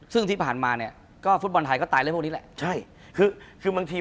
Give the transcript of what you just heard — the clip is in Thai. คุณผู้ชมบางท่าอาจจะไม่เข้าใจที่พิเตียร์สาร